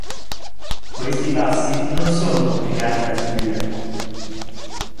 Questi passi non sono complicati da seguire.